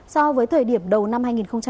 so với thời điểm đầu năm hai nghìn hai mươi